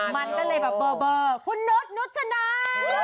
มันก็เลยเบอร์เบอร์คุณโน๊ตโน๊ตชะนาน